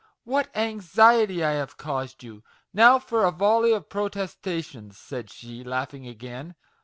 what anxiety I have caused you ! Now for a volley of protestations !" said she, laughing again.